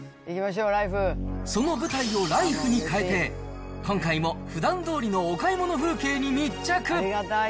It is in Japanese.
その舞台をライフに変えて、今回もふだんどおりのお買い物風景に密着。